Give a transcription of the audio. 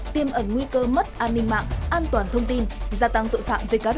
tiêm ẩn nguy cơ mất an ninh mạng an toàn thông tin gia tăng tội phạm về cá độ đánh bạc